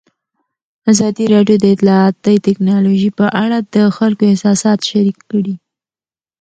ازادي راډیو د اطلاعاتی تکنالوژي په اړه د خلکو احساسات شریک کړي.